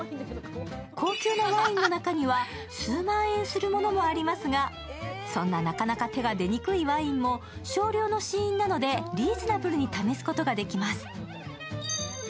高級なワインの中には数万円するものもありますがそんななかなか手が出にくいワインも、少量の試飲なので、リーズナブルに試すことができます。